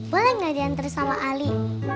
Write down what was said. boleh nggak diantar sama ali